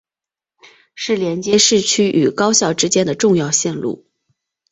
是连接市区与高校之间的重要线路。